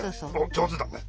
上手だね。